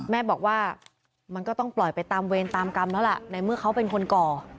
แม่บอกว่ามันก็ต้องปล่อยไปตามเวรตามกรรมแล้วล่ะในเมื่อเขาเป็นคนก่อ